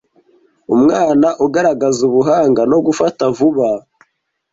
umwana ugaragaza ubuhanga no gufata vuba